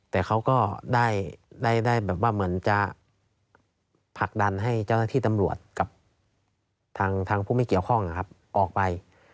แต่เขาก็ได้แบบว่าเหมือนจะผลักดันให้เจ้าหน้าที่ตำรวจกับทางผู้ไม่เกี่ยวข้องออกไป